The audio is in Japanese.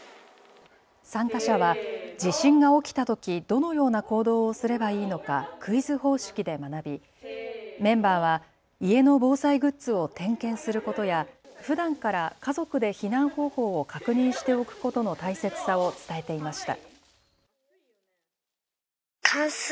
参加者は地震が起きたときどのような行動をすればいいのかクイズ方式で学びメンバーは家の防災グッズを点検することや、ふだんから家族で避難方法を確認しておくことの大切さを伝えていました。